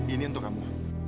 ini untuk kamu